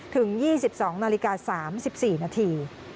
ถึง๒๒นาฬิกา๓๔นาที